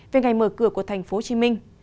về ngày mở cửa của thành phố hồ chí minh